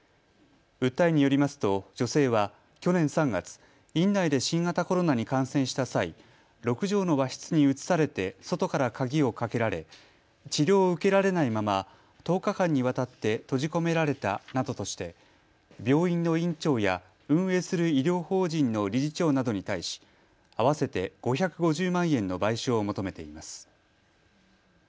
訴えによりますと女性は去年３月、院内で新型コロナに感染した際、６畳の和室に移されて外から鍵をかけられ治療を受けられないまま１０日間にわたって閉じ込められたなどとして病院の院長や運営する医療法人の理事長などに対し合わせて５５０万円の賠償を求めています。